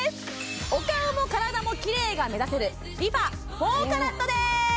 お顔も体もキレイが目指せるＲｅＦａ４ＣＡＲＡＴです！